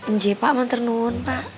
nje pak menternun pak